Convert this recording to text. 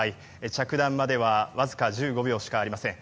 着弾まではわずか１５秒しかありません。